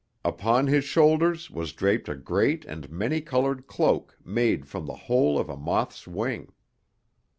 Upon his shoulders was draped a great and many colored cloak made from the whole of a moth's wing.